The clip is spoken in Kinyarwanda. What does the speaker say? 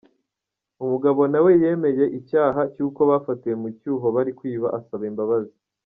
Umugabo na we yemeye icyaha cy’uko bafatiwe mu cyuho bari kwiba, asaba imbabazi.